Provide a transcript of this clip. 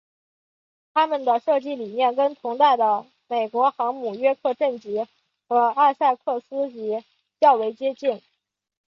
它们的设计理念跟同代的美国航母约克镇级和艾塞克斯级较为相近。